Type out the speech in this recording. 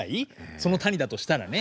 その「谷」だとしたらね。